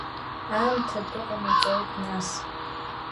Аамҭа атәы ҟанаҵоит нас.